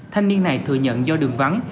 thanh niên này thừa nhận do đường vắng